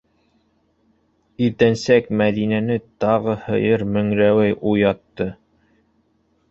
Иртәнсәк Мәҙинәне тағы һыйыр мөңрәүе уятты.